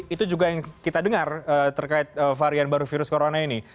itu juga yang kita dengar terkait varian baru virus corona ini